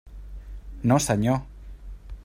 No, senyor.